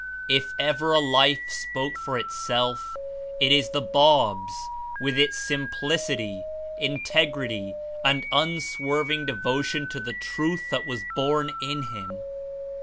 If ever a life spoke for itself, it is the Bab's with its simplicity. Integrity and unswerving devotion to the Truth that was born in him."